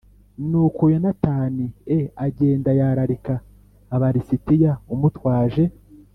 Nuko Yonatani e agenda yararika Aba lisitiya umutwaje